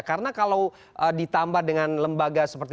karena kalau ditambah dengan lembaga seperti